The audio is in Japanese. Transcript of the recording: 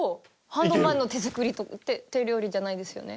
ハンドマンの手作り手料理じゃないですよね？